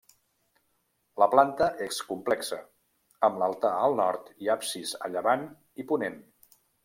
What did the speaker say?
La planta és complexa, amb l'altar al nord i absis a llevant i ponent.